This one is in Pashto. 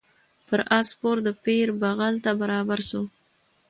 پر آس سپور د پیر بغل ته برابر سو